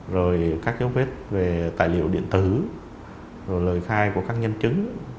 rồi các dấu vết về tài liệu điện tử rồi lời khai của các nhân chứng